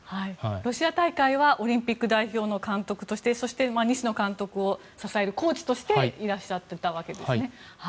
ロシア大会はオリンピック代表の監督としてそして西野監督を支えるコーチとしていらっしゃってたわけですね。